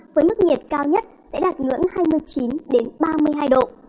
với mức nhiệt cao nhất sẽ đạt ngưỡng hai mươi chín ba mươi hai độ